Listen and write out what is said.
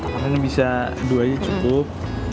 takarannya bisa dua aja cukup